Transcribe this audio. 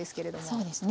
そうですね。